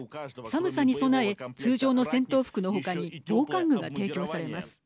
寒さに備え、通常の戦闘服の他に防寒具が提供されます。